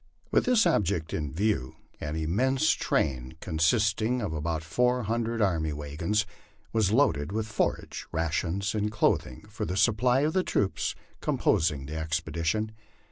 With this object in view an immense train, consisting of about four hundred army wagons, was loaded with forage, rations, and clothing, for the supply of the troops composing the expedition.